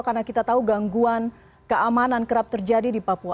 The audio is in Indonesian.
karena kita tahu gangguan keamanan kerap terjadi di papua